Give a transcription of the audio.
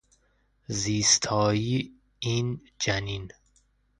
زیستایی این جنین